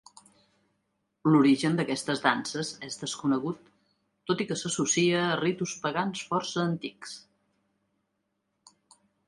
L'origen d'aquestes danses és desconegut, tot i que s'associa a ritus pagans força antics.